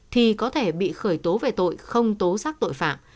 thì có thể bị khởi tố về tội không tố xác tội phạm